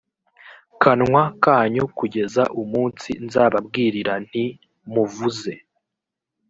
kanwa kanyu kugeza umunsi nzababwirira nti muvuze